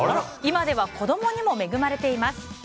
今では子供にも恵まれています。